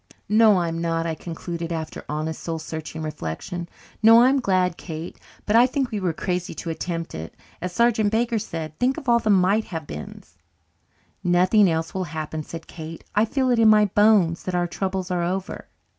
"No, I'm not," I concluded, after honest, soul searching reflection. "No, I'm glad, Kate. But I think we were crazy to attempt it, as Sergeant Baker said. Think of all the might have beens." "Nothing else will happen," said Kate. "I feel in my bones that our troubles are over."